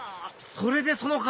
それでその体！